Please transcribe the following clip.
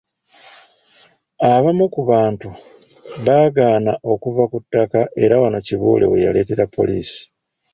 Abamu ku bantu baagaana okuva ku ttaka era wano Kibuule we yaleetera poliisi.